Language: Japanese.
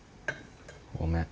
ごめん。